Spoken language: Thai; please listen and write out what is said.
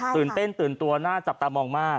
ตื่นเต้นตื่นตัวน่าจับตามองมาก